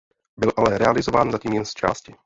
Byl ale realizován zatím jen zčásti.